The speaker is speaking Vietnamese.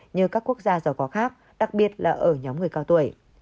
như các quốc gia giàu có khác đặc biệt là ở nhóm người cao tuổi